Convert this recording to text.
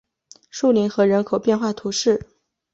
树林河人口变化图示